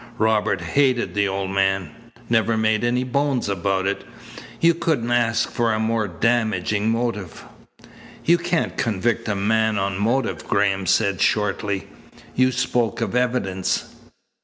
Robert hated the old man never made any bones about it. You couldn't ask for a more damaging motive." "You can't convict a man on motive," Graham said shortly. "You spoke of evidence."